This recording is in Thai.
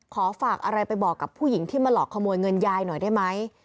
ขอฝากอะไรไปบอกกับผู้หญิงที่มาหลอกขโมยเงินยายหน่อยได้ไหม